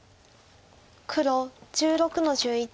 黒１６の十一。